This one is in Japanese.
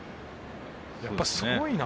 やっぱりすごいな。